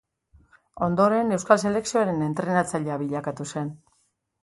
Ondoren Euskal selekzioaren entrenatzailea bilakatu zen.